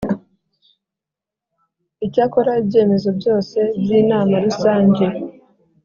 Icyakora ibyemezo byose by inama rusange